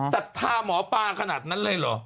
ศรัทธาหมอปลาขนาดนั้นเลยเหรอ